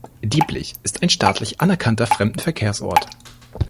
Dieblich ist ein staatlich anerkannter Fremdenverkehrsort.